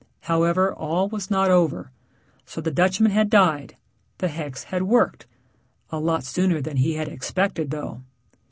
However, all was not over. So the Dutchman had died; the hex had worked a lot sooner than he had expected though.